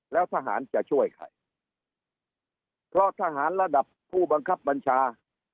แล้วทหารจะช่วยใครเพราะทหารระดับผู้บังคับบัญชา